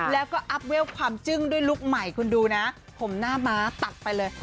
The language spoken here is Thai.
แล้วก็อัพเวลความจึ้งด้วยลุคใหม่คุณดูนะผมหน้าม้าตัดไปเลย